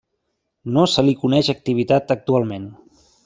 No se li coneix activitat actualment.